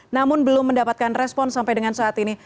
namun belum mendapatkan respon sampai dengan saat ini